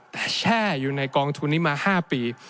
แต่แช่อยู่ในกองทุนนี้มา๕ปี